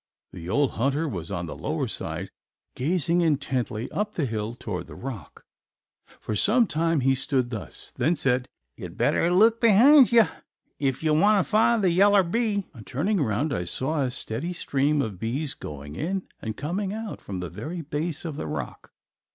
The old hunter was on the lower side, gazing intently up the hill toward the rock. For some time he stood thus, then said, "You had better look behind you if you want to find the yaller bee." On turning round I saw a steady stream of bees going in and coming out from the very base of the rock.